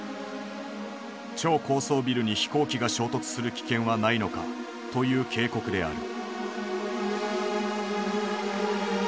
超高層ビルに飛行機が衝突する危険はないのかという警告である。